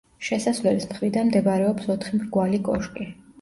შესასვლელის მხრიდან მდებარეობს ოთხი მრგვალი კოშკი.